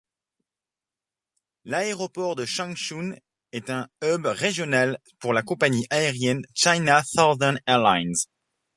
L'aéroport de Changchun est un hub régional pour la compagnie aérienne China Southern Airlines.